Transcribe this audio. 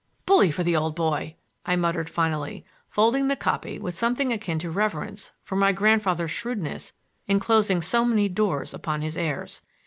"Bully for the old boy!" I muttered finally, folding the copy with something akin to reverence for my grandfather's shrewdness in closing so many doors upon his heirs.